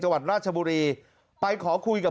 วัดราชบุรีไปขอคุยกับ